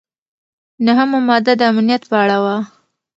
نهمه ماده د امنیت په اړه وه.